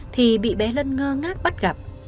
thì bị bé lân ngơ ngác bắt đầu